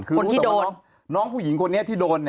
คือรู้แต่ว่าน้องผู้หญิงคนนี้ที่โดน